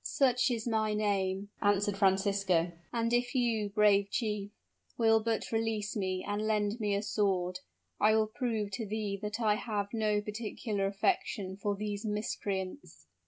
"Such is my name," answered Francisco; "and if you, brave chief, will but release me and lend me a sword, I will prove to thee that I have no particular affection for these miscreants."